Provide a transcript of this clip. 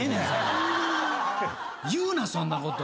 言うなそんなこと。